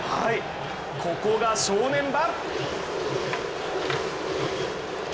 ここが正念場。